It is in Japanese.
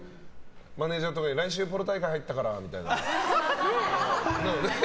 マネジャーとかに来週、ポロ大会入ったからみたいな？